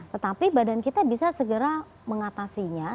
tetapi badan kita bisa segera mengatasinya